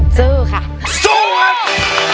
สู้ค่ะสู้ครับ